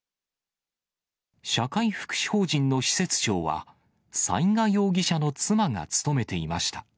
社会福祉法人の施設長は、雑賀容疑者の妻が務めていました。